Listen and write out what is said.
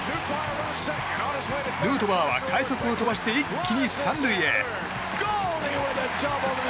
ヌートバーは快足を飛ばして一気に３塁へ。